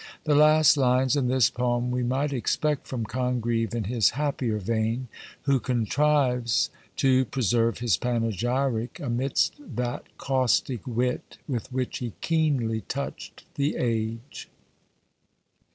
The last lines in this poem we might expect from Congreve in his happier vein, who contrives to preserve his panegyric amidst that caustic wit, with which he keenly touched the age.